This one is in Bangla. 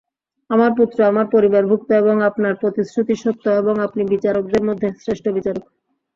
আমার পুত্র আমার পরিবারভুক্ত এবং আপনার প্রতিশ্রুতি সত্য এবং আপনি বিচারকদের মধ্যে শ্রেষ্ঠ বিচারক।